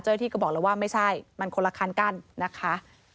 เจ้าให้ที่ก็บอกแล้วว่าไม่ใช่มันคนละครกันนะคะ